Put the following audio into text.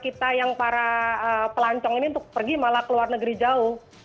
kita yang para pelancong ini untuk pergi malah ke luar negeri jauh